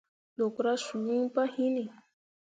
Ɗukra suu iŋ pah hinni.